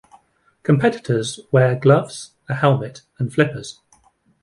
Competitors wear gloves, a helmet, and flippers.